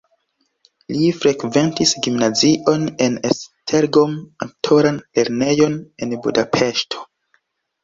Li frekventis gimnazion en Esztergom, aktoran lernejon en Budapeŝto.